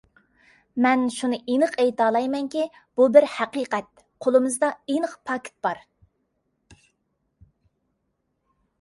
مەن شۇنى ئېنىق ئېيتالايمەنكى، بۇ بىر ھەقىقەت. قولىمىزدا ئېنىق پاكىت بار.